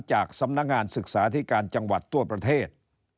จากสำนักงานศึกษาธิการจังหวัดทั่วประเทศ